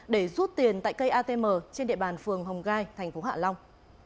để rút tiền tại cây atm trên địa bàn phường hồng gai thành phố hạ long